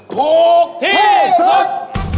ถูกที่สุด